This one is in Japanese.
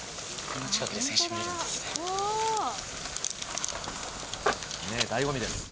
こんな近くで選手見られるんですね。